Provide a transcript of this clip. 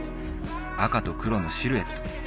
赤と黒のシルエット